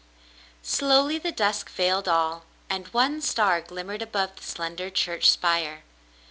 Slowly the dusk veiled all, and one star glimmered above the slender church spire.